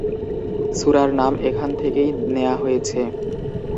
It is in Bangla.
সূরার নাম এখান থেকেই নেয়া হয়েছে।